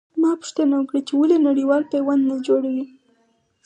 ما پوښتنه وکړه چې ولې نړېوال پیوند نه جوړوي.